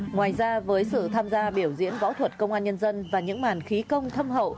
ngoài ra với sự tham gia biểu diễn võ thuật công an nhân dân và những màn khí công thâm hậu